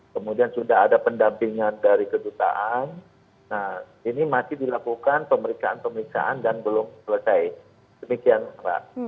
kemudian sudah ada pendampingan dari kedutaan nah ini masih dilakukan pemeriksaan pemeriksaan dan belum selesai demikian mbak